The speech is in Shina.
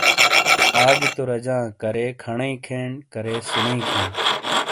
آگی تو راجاں نے کارے کھنئیے کھین کارے سِنیئی کھین ۔